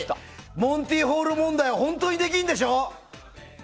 モンティ・ホール問題が本当にできるんでしょ。